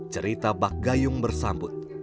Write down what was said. cerita bak gayung bersambut